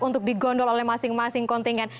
untuk digondol oleh masing masing kontingen